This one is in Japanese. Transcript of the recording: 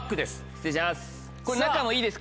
失礼します